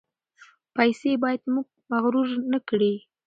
پیسې باید موږ مغرور نکړي.